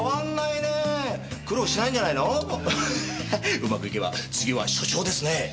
うまくいけば次は署長ですね？